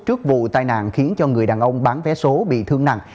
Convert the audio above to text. trước vụ tai nạn khiến cho người đàn ông bán vé số bị thương nặng